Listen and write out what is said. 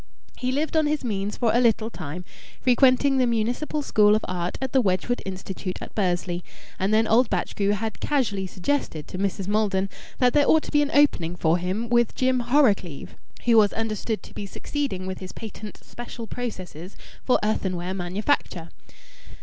He lived on his means for a little time, frequenting the Municipal School of Art at the Wedgwood Institution at Bursley, and then old Batchgrew had casually suggested to Mrs. Maldon that there ought to be an opening for him with Jim Horrocleave, who was understood to be succeeding with his patent special processes for earthenware manufacture.